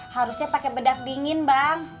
harusnya pakai bedak dingin bang